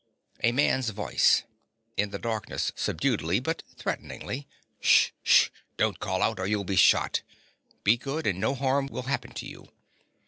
A MAN'S VOICE. (in the darkness, subduedly, but threateningly). Sh—sh! Don't call out or you'll be shot. Be good; and no harm will happen to you.